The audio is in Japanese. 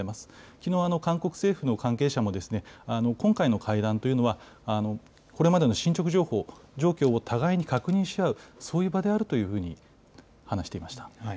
きのう、韓国政府の関係者も今回の会談というのは、これまでの進捗状況を互いに確認し合う、そういう場であるというふうに話していました。